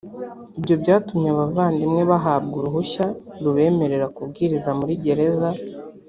ibyo byatumye abavandimwe bahabwa uruhushya rubemerera kubwiriza muri gereza